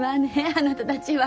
あなたたちは。